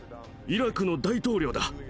イラクの大統領だ。